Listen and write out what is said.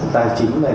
tài chính này